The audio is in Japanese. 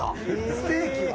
ステーキは？